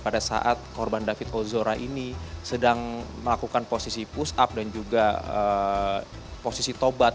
pada saat korban david ozora ini sedang melakukan posisi push up dan juga posisi tobat